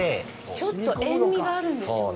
ちょっと塩味があるんですよね。